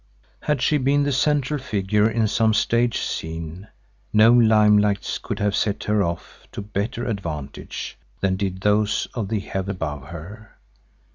Had she been the central figure in some stage scene, no limelights could have set her off to better advantage, than did those of the heavens above her.